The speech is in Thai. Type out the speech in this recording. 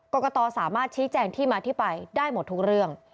กรกตสามารถชี้แจงที่มาที่ไปได้หมดทุกเรื่อง